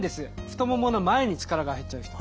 太ももの前に力が入っちゃう人。